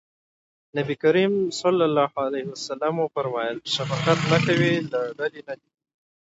نبي کريم ص وفرمایل شفقت نه کوي له ډلې نه دی.